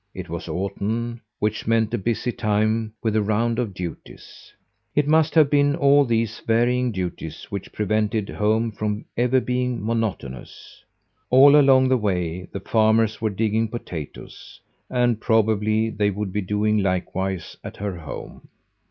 It was autumn, which meant a busy time with a round of duties. It must have been all these varying duties which prevented home from ever being monotonous. All along the way the farmers were digging potatoes, and probably they would be doing likewise at her home.